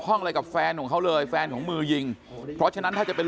อะไรกับแฟนของเขาเลยแฟนของมือยิงเพราะฉะนั้นถ้าจะเป็น